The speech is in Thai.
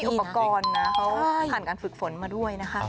อุปกรณ์นะเขาผ่านการฝึกฝนมาด้วยนะคะ